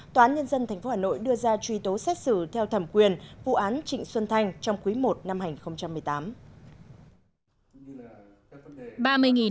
tòa án nhân dân tp hà nội đưa ra truy tố xét xử theo thẩm quyền vụ án trịnh xuân thanh trong quý i năm hai nghìn một mươi tám